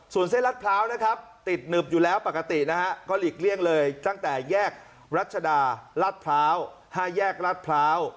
ส่วนเส้นรัดพร้าวนะครับติดหนึบอยู่แล้วปกตินะฮะก็หลีกเลี่ยงเลยตั้งแต่แยกรัชดาลาดพร้าว๕แยกรัฐพร้าว